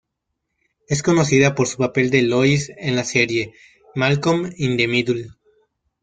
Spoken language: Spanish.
Es conocida por su papel de Lois en la serie "Malcolm in the Middle".